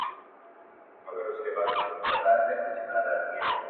ستا د غرور حسن ځوانۍ په خـــاطــــــــر.